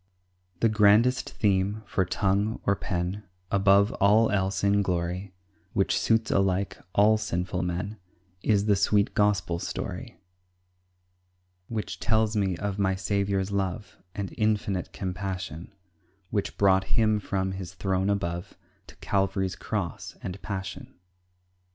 The grandest theme, for tongue, or pen, Above all else in glory; Which suits alike, all sinful men, Is the sweet Gospel story, Which tells me of my Saviour's love And infinite compassion, Which brought Him from His throne above To Calvary's cross and passion.